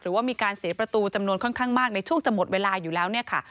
หรือว่ามีการเสียประตูจำนวนค่อนข้างมากในช่วงจะหมดเวลาอยู่แล้วเนี่ยค่ะ